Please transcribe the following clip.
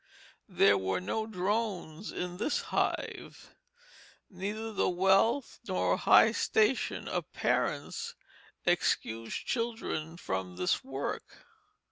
There were no drones in this hive; neither the wealth nor high station of parents excused children from this work.